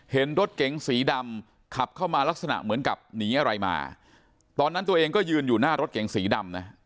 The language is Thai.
เห็นรถเก๋งสีดำขับเข้ามาลักษณะเหมือนกับหนีอะไรมาตอนนั้นตัวเองก็ยืนอยู่หน้ารถเก๋งสีดำนะ